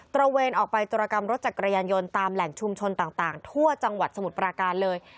ระเวนออกไปจุรกรรมรถจักรยานยนต์ตามแหล่งชุมชนต่างทั่วจังหวัดสมุทรปราการเลย